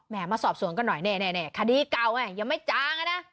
แม่มาสอบสวงกันหน่อยนี่คดีเก่าเนี่ยยังไม่จางนะ